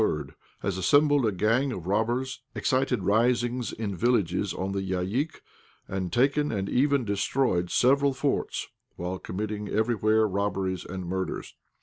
has assembled a gang of robbers, excited risings in villages on the Yaïk, and taken and oven destroyed several forts, while committing everywhere robberies and murders.